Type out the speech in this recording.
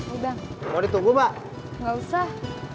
udah mau ditunggu pak nggak usah